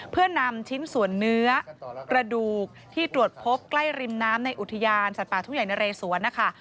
เพื่อนำชิ้นส่วนเนื้อกระดูกที่ตรวจพบใกล้ริมน้ำในอุทยานสัตว์ป่าทุ่งใหญ่นะเรสวนนะคะ